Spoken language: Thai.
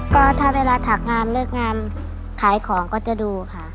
ก็ถ้าเวลาถักงานเลิกงานขายของก็จะดูค่ะ